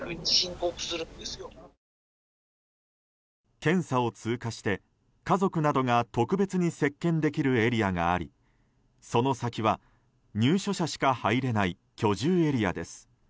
検査を通過して家族などが特別に接見できるエリアがありその先は入所者しか入れない居住エリアです。